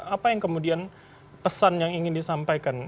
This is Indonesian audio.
apa yang kemudian pesan yang ingin disampaikan